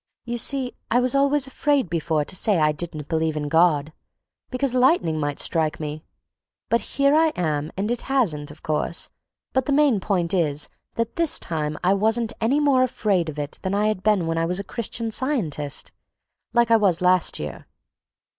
You see I was always afraid, before, to say I didn't believe in God—because the lightning might strike me—but here I am and it hasn't, of course, but the main point is that this time I wasn't any more afraid of it than I had been when I was a Christian Scientist, like I was last year.